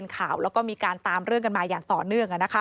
การตามเรื่องกันมาอย่างต่อเนื่อง